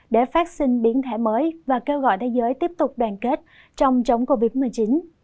để phát sinh biến thể mới và kêu gọi thế giới tiếp tục đoàn kết trong chống covid một mươi chín